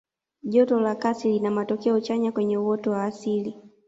joto la kasi lina matokeo chanya kwenye uoto wa asili